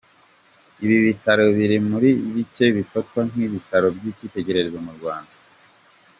Ibi bitaro biri muri bike bifatwa nk’ibitaro by’icyitegererezo mu Rwanda.